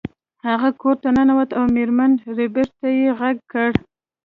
هغه کور ته ننوت او میرمن ربیټ ته یې غږ کړ